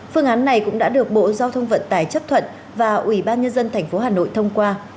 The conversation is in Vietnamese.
phương án này cũng đã được bộ giao thông vận tải chấp thuận và ủy ban nhân dân tp hà nội thông qua